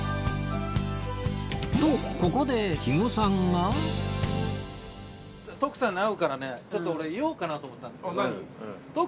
とここで肥後さんが徳さんに会うからねちょっと俺言おうかなと思ったんですけど。